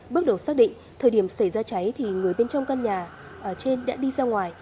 bước đầu xác định thời điểm xảy ra cháy thì người bên trong căn nhà trên đã đi ra ngoài